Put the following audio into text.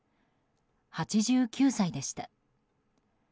８９歳でした。